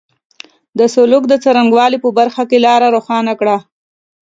د سلوک د څرنګه والي په برخه کې لاره روښانه کړه.